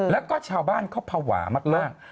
แล้วก็ชาวบ้านเขาภาวะมาก